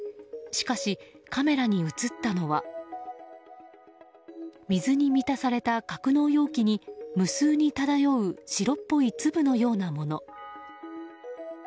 しかし、カメラに映ったのは水に満たされた格納容器に無数に漂う白っぽい粒のようなもの。